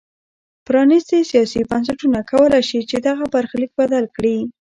پرانیستي سیاسي بنسټونه کولای شي چې دغه برخلیک بدل کړي.